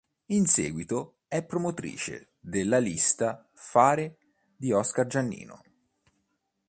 In seguito è promotrice della lista Fare di Oscar Giannino.